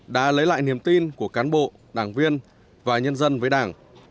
đã lấy lại niềm tin của cán bộ đảng viên và nhân dân với đảng